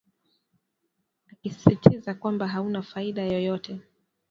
akisistiza kwamba hauna faida yoyote